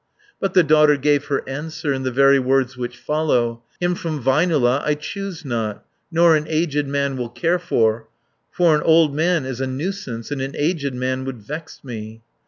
But the daughter gave her answer, In the very words which follow: "Him from Väinölä I choose not, Nor an aged man will care for, For an old man is a nuisance, And an aged man would vex me."